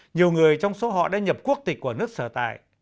nhiều người trong số họ đã nhập quốc tịch của nước sở tại